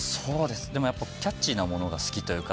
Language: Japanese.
でもキャッチーなものが好きというか。